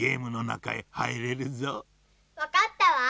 わかったわ。